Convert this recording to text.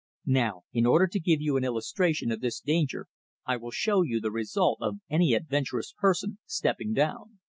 Now, in order to give you an illustration of this danger I will show you the result of any adventurous person stepping down."